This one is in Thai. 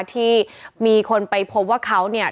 ที่มีคนไปพบว่าเขาเนี่ย